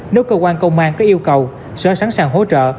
nếu cơ quan công an có yêu cầu sở sẵn sàng hỗ trợ